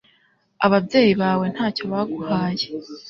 Ababyeyi bawe ntacyo baguhaye